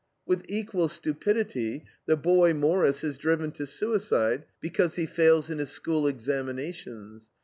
With equal stupidity the boy Morris is driven to suicide because he fails in his school examinations.